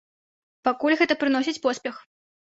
Пакуль гэта прыносіць поспех.